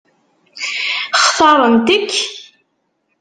Xtaṛent-k?